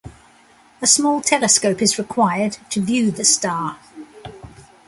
A small telescope is required to view the star.